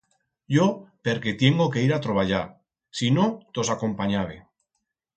Yo perque tiengo que ir a troballar, si no tos acompanyabe.